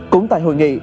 cũng tại hội nghị